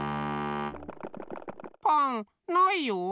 パンないよ。